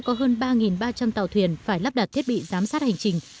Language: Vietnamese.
quảng ngãi có hơn ba ba trăm linh tàu thuyền phải lắp đặt thiết bị giám sát hành trình